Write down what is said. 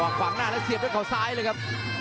หากขวางหน้าและเก็บด้วยขาวซ้ายเลยครับ